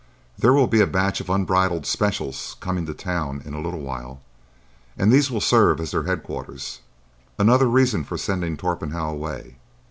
There will be a batch of unbridled "specials" coming to town in a little while, and these will serve as their headquarters. Another reason for sending Torpenhow away.